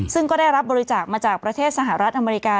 ซึ่งก็ได้รับบริจาคมาจากประเทศสหรัฐอเมริกา